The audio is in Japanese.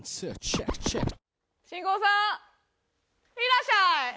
新婚さんいらっしゃい！